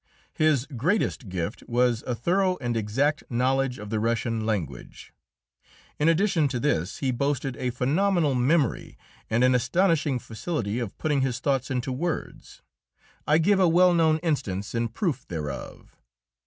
His greatest gift was a thorough and exact knowledge of the Russian language. In addition to this he boasted a phenomenal memory and an astonishing facility of putting his thoughts into words. I give a well known instance in proof thereof.